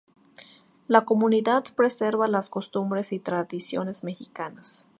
La comunidad preserva las costumbres y tradiciones Mexicanas.